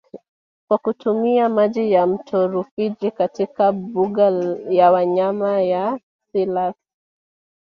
Kwa kutumia maji ya mto Rufiji katika mbuga ya wanyama ya Selous